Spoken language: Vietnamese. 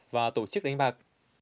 và tổ chức đánh bạc